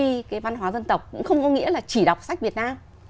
thì cái văn hóa dân tộc cũng không có nghĩa là chỉ đọc sách việt nam